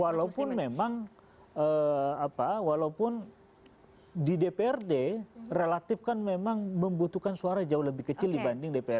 walaupun memang walaupun di dprd relatif kan memang membutuhkan suara jauh lebih kecil dibanding dpr